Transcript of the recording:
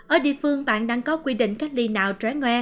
ở địa phương bạn đang có quy định cách đi nào trái ngoe